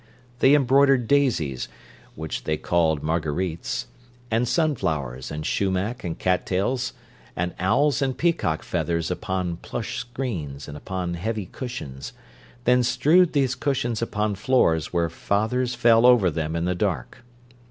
They embroidered daisies (which they called "marguerites") and sunflowers and sumac and cat tails and owls and peacock feathers upon plush screens and upon heavy cushions, then strewed these cushions upon floors where fathers fell over them in the dark.